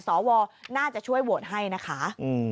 สวน่าจะช่วยโหวตให้นะคะ